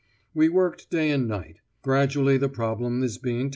We worked day and night. Gradually the problem is being tackled.